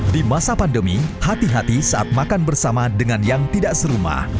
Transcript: di masa pandemi hati hati saat makan bersama dengan yang tidak serumah